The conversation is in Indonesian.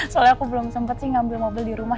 soalnya aku belum sempat sih ngambil mobil di rumah